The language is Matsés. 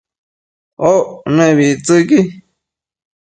oc nëbictsëqui